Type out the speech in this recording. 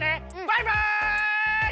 バイバイ！